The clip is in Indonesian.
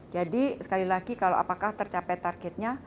jadi sekali lagi apakah tercapai targetnya